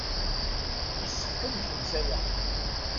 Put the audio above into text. Yessefk ad yeḥbes aya.